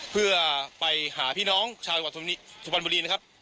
เพื่อไปหาพี่น้องชาวจังหวัดสุพรรณบุรีนะครับ